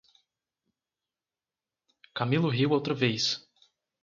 Camilo riu outra vez: